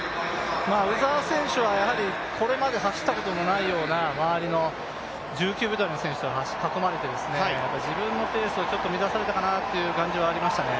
鵜澤選手はこれまで走ったことないような周りの１９秒台の選手に囲まれて自分のペースを乱されたかなという感じはありますね。